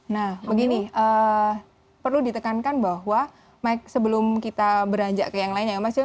nah begini perlu ditekankan bahwa sebelum kita beranjak ke yang lain ya mas yoyo